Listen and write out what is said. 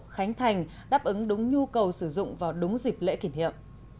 khánh thành đáp ứng đúng nhu cầu sử dụng vào đúng dịp lễ kỷ niệm